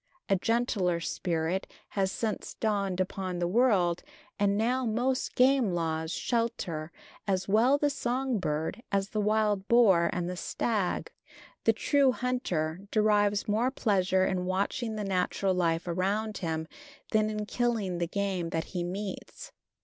A gentler spirit has since dawned upon the world, and now most game laws shelter as well the song bird as the wild boar and the stag. The true hunter derives more pleasure in watching the natural life around him than in killing the game that he meets.